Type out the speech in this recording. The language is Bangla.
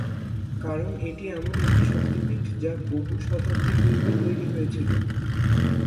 কারণ এটি এমন এক শক্তিপীঠ যা বহু শতাব্দী পূর্বে তৈরি হয়েছিল।